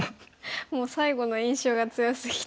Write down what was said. もう最後の印象が強すぎて。